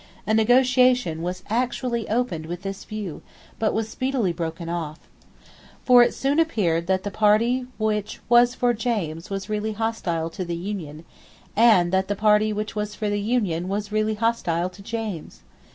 A negotiation was actually opened with this view, but was speedily broken off. For it soon appeared that the party which was for James was really hostile to the union, and that the party which was for the union was really hostile to James.